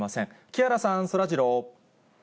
木原さん、そらジロー。